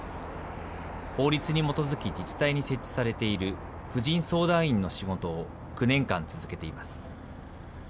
法律に基づき自治体に設置されている婦人相談員の仕事を９年間続けています。